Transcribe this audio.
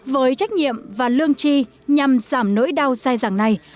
với trách nhiệm và lương chi nhằm giảm nỗi đau dài dàng này